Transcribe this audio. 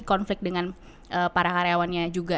konflik dengan para karyawannya juga